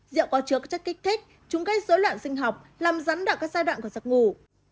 rượu có chứa các chất kích thích chúng gây dối loạn sinh học làm rắn đảo các giai đoạn của giặc ngủ